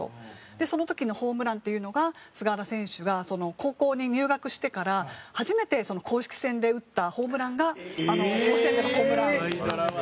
その時のホームランっていうのが菅原選手が高校に入学してから初めて公式戦で打ったホームランがあの甲子園でのホームラン。